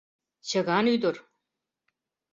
Чыган ӱдыр!